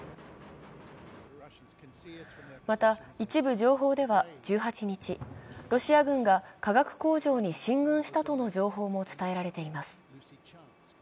また、一部情報では１８日ロシア軍が化学工場に進軍したとの情報も伝えられています。